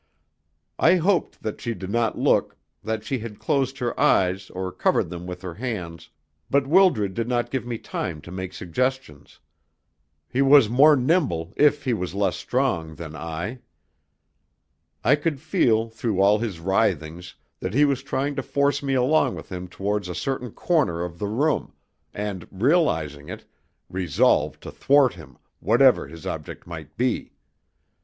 I hoped that she did not look that she had closed her eyes, or covered them with her hands, but Wildred did not give me time to make suggestions. He was more nimble, if he was less strong, than I. I could feel, through all his writhings, that he was trying to force me along with him towards a certain corner of the room, and, realising it, resolved to thwart him, whatever his object might be.